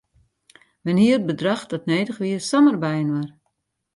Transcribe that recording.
Men hie it bedrach dat nedich wie samar byinoar.